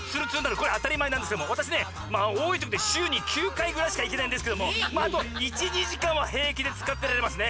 これあたりまえなんですけどもわたしねおおいときでしゅうに９かいぐらいしかいけないんですけどもまああと１２じかんはへいきでつかってられますね。